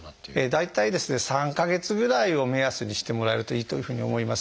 大体ですね３か月ぐらいを目安にしてもらえるといいというふうに思います。